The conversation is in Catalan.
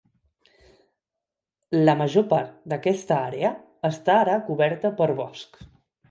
La major part d"aquesta àrea està ara coberta per bosc.